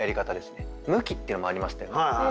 向きっていうのもありましたよね。